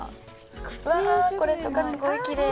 これとかすごいきれい。